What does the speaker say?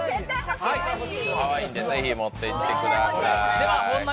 かわいいんで是非、持っていってください。